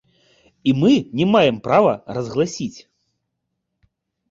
І мы не маем права разгласіць.